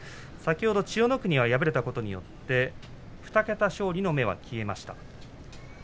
千代の国が先ほど敗れたことによって２桁勝利の目が消えました。